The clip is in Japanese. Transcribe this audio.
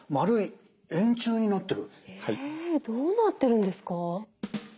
えどうなってるんですか？